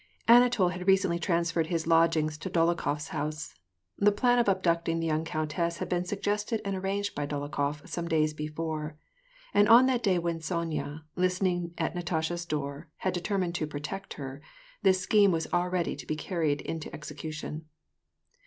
Ai^ATOii had recently transferred his lodgings to Dolokhof 's house. The plan of abducting the young countess had been suggested and arranged by Dolokhof some days before, and on that day when Sonya, listening at Natasha's door, had determined to protect her, this scheme was all ready to be car ried into execution.